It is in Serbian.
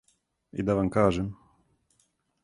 И да вам кажем.